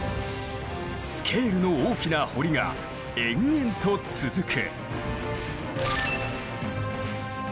スケールの大きな堀が延々と続く。